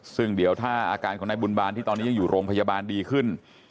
ซึ่งเดี๋ยวถ้าอาการของนายบุญบาลที่ตอนนี้ยังอยู่โรงพยาบาลดีขึ้น